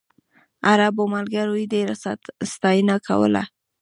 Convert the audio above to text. عربو ملګرو یې ډېره ستاینه کوله.